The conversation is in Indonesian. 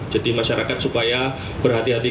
jadi masyarakat supaya berhati hati